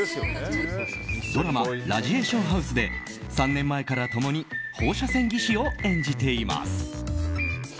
ドラマ「ラジエーションハウス」で３年前から共に放射線技師を演じています。